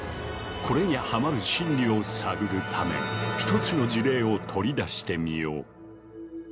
これにハマる心理を探るため一つの事例を取り出してみよう。